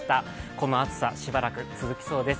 この暑さ、しばらく続きそうです。